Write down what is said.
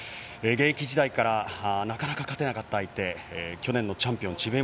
現役時代からなかなか勝てなかった相手去年のチャンピオン智弁